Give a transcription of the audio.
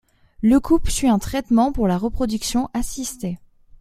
Le couple suit un traitement pour la reproduction assistée.